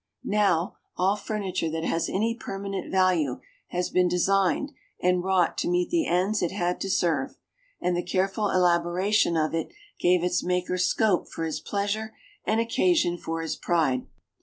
Now, all furniture that has any permanent value has been designed and wrought to meet the ends it had to serve, and the careful elaboration of it gave its maker scope for his pleasure and occasion for his pride.